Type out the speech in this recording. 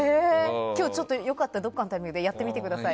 今日はよかったらどこかのタイミングでやってみてください。